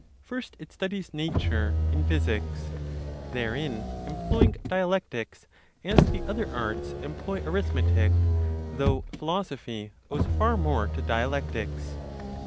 First, it studies nature (in physics), therein employing dialectics, as the other arts employ arithmetic, though philosophy owes far more to dialectics.